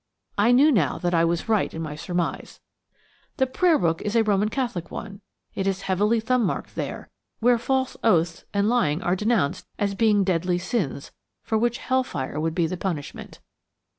I knew now that I was right in my surmise. The prayer book is a Roman Catholic one. It is heavily thumbmarked there, where false oaths and lying are denounced as being deadly sins for which hell fire would be the punishment.